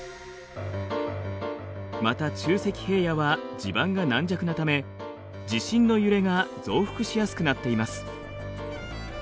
また沖積平野は地盤が軟弱なため地震の揺れが増幅しやすくなっています。